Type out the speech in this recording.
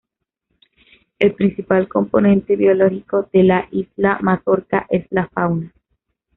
El principal componente biológico de la isla Mazorca es la fauna.